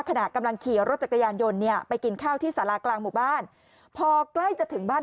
ขณะกำลังขี่รถจักรยานยนต์เนี่ยไปกินข้าวที่สารากลางหมู่บ้านพอใกล้จะถึงบ้าน